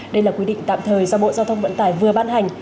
đây là quy định tạm thời do bộ giao thông vận tải vừa ban hành